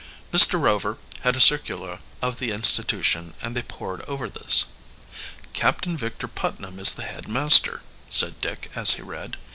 Mr. Rover had a circular of the institution, and they pored over this. "Captain Victor Putnam is the head master," said Dick, as he read.